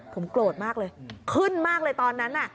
ผมโกรธมากเลยขึ้นมากเลยตอนนั้น